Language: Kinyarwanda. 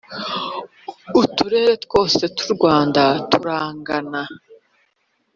uturere twose tw u rwanda turangana